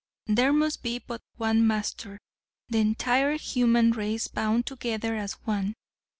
There must be but one master the entire human race bound together as one.